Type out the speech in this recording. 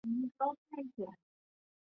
武林黑道的三大凶地之一。